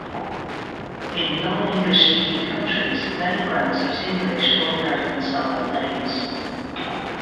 In non-English-speaking countries, many brands use English- or American-styled names.